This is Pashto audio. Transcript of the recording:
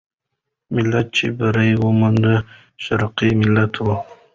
ملت چې بری وموند، شرقي ملت وو.